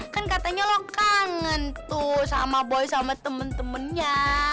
kan katanya lo kangen tuh sama boy sama temen temennya